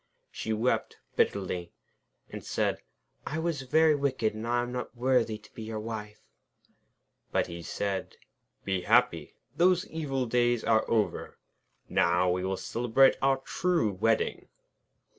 She wept bitterly, and said: 'I was very wicked, and I am not worthy to be your wife.' But he said: 'Be happy! Those evil days are over. Now we will celebrate our true wedding.'